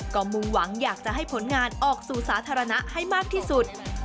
ก็มุ่งหวังอยากจะให้ผลงานออกสู่สาธารณะให้มากที่สุด